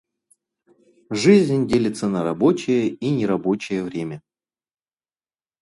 Жизнь делится на рабочее и нерабочее время.